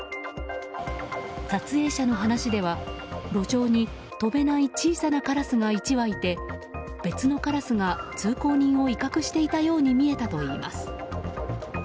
撮影者の話では路上に飛べない小さなカラスが１羽いて別のカラスが通行人を威嚇しているように見えたといいます。